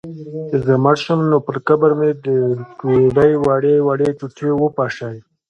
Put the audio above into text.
چي زه مړ سم، نو پر قبر مي د ډوډۍ وړې وړې ټوټې وپاشی